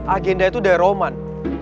agendanya tuh dari roman